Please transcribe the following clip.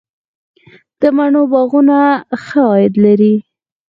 د مڼو باغونه ښه عاید لري؟